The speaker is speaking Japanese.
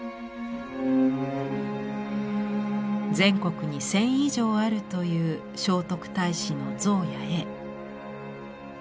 全国に１，０００以上あるという聖徳太子の像や絵。